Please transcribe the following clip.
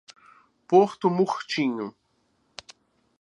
Porto Murtinho